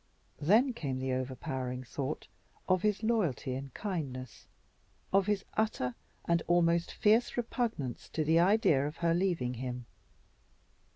Then came the overpowering thought of his loyalty and kindness, of his utter and almost fierce repugnance to the idea of her leaving him.